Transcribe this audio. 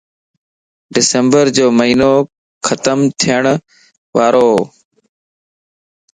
ڊسمبر جو مھينو ختم ڇڻ وارووَ